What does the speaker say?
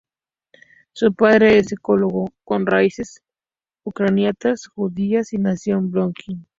Su padre es ecólogo, con raíces ucranianas judías, y nacido en Brooklyn.